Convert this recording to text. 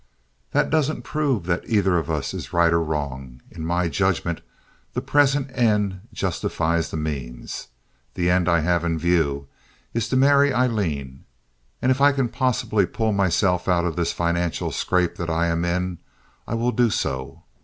"That doesn't prove that either of us is right or wrong. In my judgment the present end justifies the means. The end I have in view is to marry Aileen. If I can possibly pull myself out of this financial scrape that I am in I will do so.